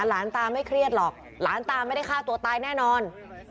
หลานตาไม่เครียดหรอกหลานตาไม่ได้ฆ่าตัวตายแน่นอน